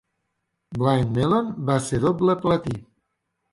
"Blind Melon" va ser doble platí.